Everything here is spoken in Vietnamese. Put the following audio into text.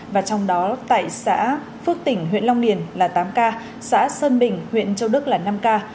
và trong đó tại xã phước tỉnh huyện long điền là tám ca xã sơn bình huyện châu đức là năm ca